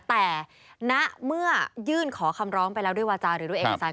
แต่ณเมื่อยื่นขอคำร้องไปแล้วด้วยวาจาหรือด้วยเอกสาร